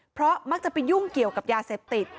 เพราะมักจะไปยุ่งเกี่ยวกับยาเสพติด